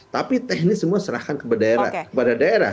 tapi teknis semua serahkan kepada daerah